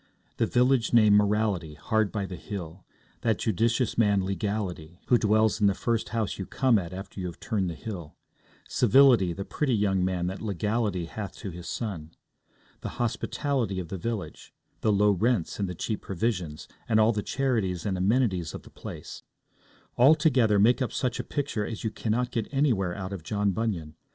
The village named Morality, hard by the hill; that judicious man Legality, who dwells in the first house you come at after you have turned the hill; Civility, the pretty young man that Legality hath to his son; the hospitality of the village; the low rents and the cheap provisions, and all the charities and amenities of the place, all together make up such a picture as you cannot get anywhere out of John Bunyan.